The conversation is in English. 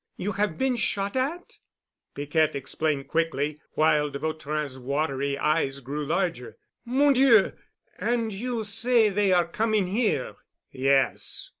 You have been shot at?" Piquette explained quickly while de Vautrin's watery eyes grew larger. "Mon Dieu! And you say they are coming here?" "Yes.